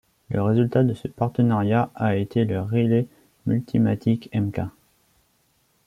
Le résultat de ce partenariat a été le Riley-Multimatic Mk.